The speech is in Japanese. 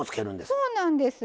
そうなんです。